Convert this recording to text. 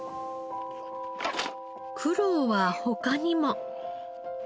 苦労は他にも。